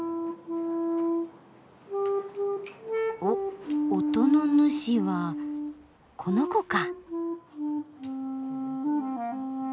・おっ音の主はこの子か。